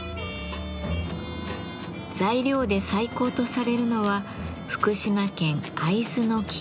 材料で最高とされるのは福島県会津の桐。